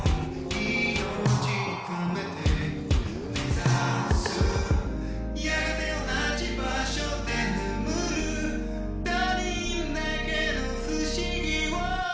「命込めて目指す」「やがて同じ場所で眠る」「他人だけの不思議を」